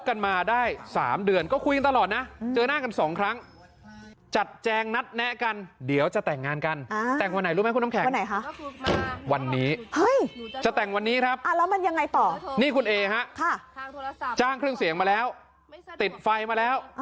คือไฟหน้างานนี่ติดหมดแล้วนะ